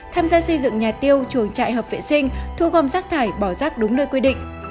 tham gia xây dựng nhà tiêu chuồng trại hợp vệ sinh thu gom rác thải bỏ rác đúng nơi quy định